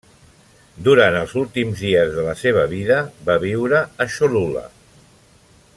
Durant els últims dies de la seva vida, va viure a Cholula.